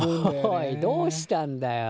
おいどうしたんだよ。